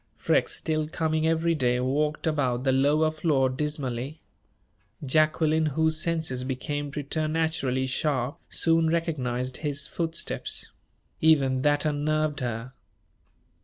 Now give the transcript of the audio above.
Freke, still coming every day, walked about the lower floor dismally. Jacqueline, whose senses became preternaturally sharp, soon recognized his footsteps. Even that unnerved her.